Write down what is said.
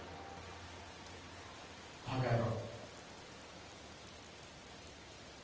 バカ野郎。